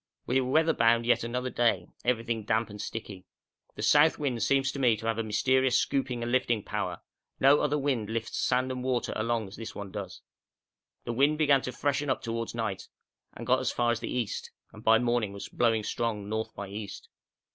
We were weatherbound yet another day, everything damp and sticky. The south wind seems to me to have a very mysterious scooping and lifting power; no other wind lifts sand and water along as this one does. The wind began to freshen up towards night and got as far as the east, and by morning was blowing strong north by east.